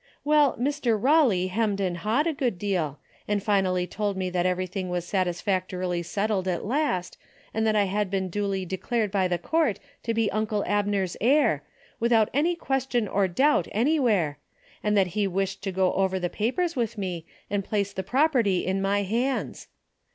Well, Mr. Eawley hemmed and hawed a good deal, and finally told me that everything was satisfactorily settled at last and that I had been duly declared by the court to be uncle A DAILY EATEy 101 Abner's heir, without any question or doubt an^wvliere, and that he wished to go over the papers with me and place the property in my hands.